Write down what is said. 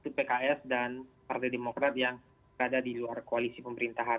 itu pks dan partai demokrat yang berada di luar koalisi pemerintahan